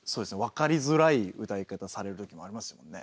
分かりづらい歌い方されるときもありますもんね。